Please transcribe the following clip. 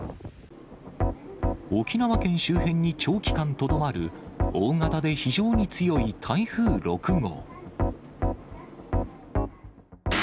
沖縄県周辺に長期間とどまる、大型で非常に強い台風６号。